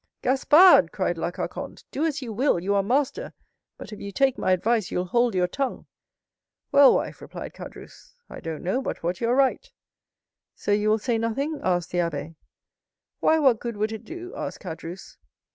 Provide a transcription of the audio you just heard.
"Gaspard!" cried La Carconte, "do as you will; you are master—but if you take my advice you'll hold your tongue." "Well, wife," replied Caderousse, "I don't know but what you're right!" "So you will say nothing?" asked the abbé. "Why, what good would it do?" asked Caderousse.